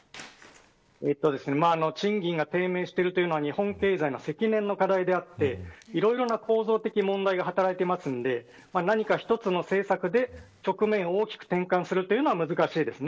賃金が低迷しているというのは日本経済の積年の課題であっていろいろな構造的問題が働いているので何か一つの問題で局面を大きく転換するのは難しいです。